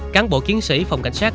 cáng bộ kiến sĩ phòng cảnh sát